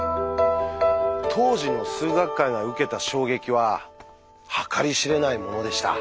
当時の数学界が受けた衝撃は計り知れないものでした。